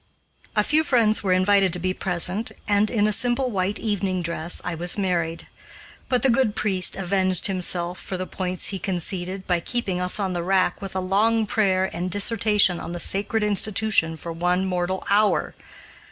A few friends were invited to be present and, in a simple white evening dress, I was married. But the good priest avenged himself for the points he conceded, by keeping us on the rack with a long prayer and dissertation on the sacred institution for one mortal hour.